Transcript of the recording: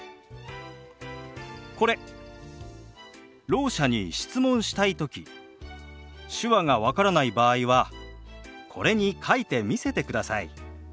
ろう者に質問したい時手話が分からない場合はこれに書いて見せてください。